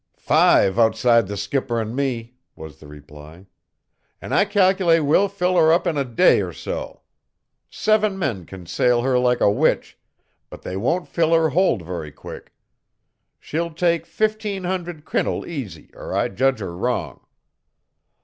"Five outside the skipper an' me," was the reply, "an' I cal'late we'll fill her up in a day or so. Seven men can sail her like a witch, but they won't fill her hold very quick. She'll take fifteen hundred quintal easy, or I judge her wrong."